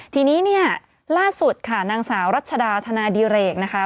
ทีนี้เนี่ยล่าสุดค่ะนางสาวรัชดาธนาดิเรกนะคะ